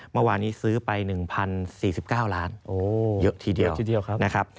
เมื่อวานนี้ซื้อไป๑๐๔๙ล้านเยอะทีเดียวนะครับ